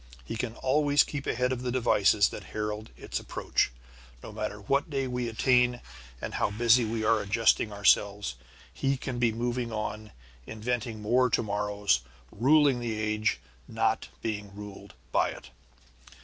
He can always keep ahead of the devices that herald its approach. No matter what day we attain and how busy we are adjusting ourselves, he can be moving on, inventing more to morrows; ruling the age, not being ruled by it.